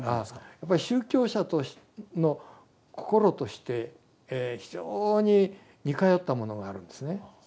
やっぱり宗教者のこころとして非常に似通ったものがあるんですね。